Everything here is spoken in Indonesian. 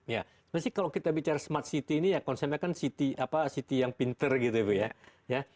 ya pasti kalau kita bicara smart city ini ya konsepnya kan city yang pinter gitu ya